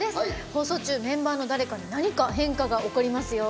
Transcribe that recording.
放送中、メンバーの誰かに変化が起こりますよ。